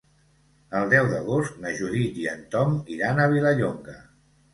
El deu d'agost na Judit i en Tom iran a Vilallonga.